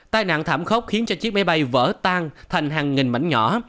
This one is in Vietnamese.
tai nạn thảm khốc khiến cho chiếc máy bay vỡ tan thành hàng nghìn mảnh nhỏ